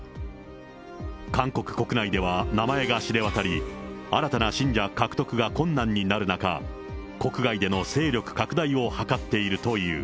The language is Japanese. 韓国国内では名前が知れわたり、新たな信者獲得が困難になる中、国外での勢力拡大を図っているという。